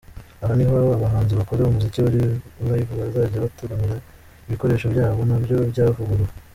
Aha ni ho abahanzi bakora umuziki wa live bazajya bataramira, ibikoresho byabo nabyo byavuguruwe.